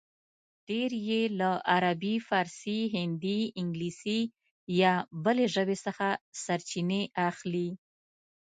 ډېر یې له عربي، فارسي، هندي، انګلیسي یا بلې ژبې څخه سرچینې اخلي